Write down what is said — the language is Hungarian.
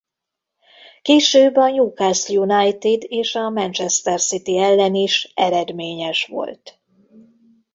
Később a Newcastle United és a Manchester City ellen is eredményes volt.